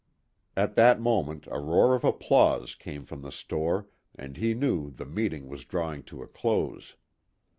At that moment a roar of applause came from the store, and he knew the meeting was drawing to a close.